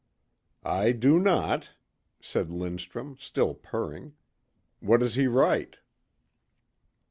"I do not," said Lindstrum still purring. "What does he write?"